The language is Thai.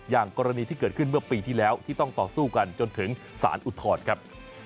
อย่างกรณีที่เกิดขึ้นเมื่อปีที่แล้วที่ต้องต่อสู้กันจนถึงสารอุทธรณ์ครับ